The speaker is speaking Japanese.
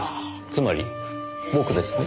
つまり僕ですね？